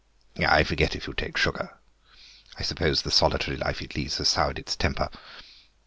"I forget if you take sugar. I suppose the solitary life it leads has soured its temper.